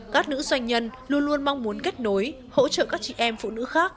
các nữ doanh nhân luôn luôn mong muốn kết nối hỗ trợ các chị em phụ nữ khác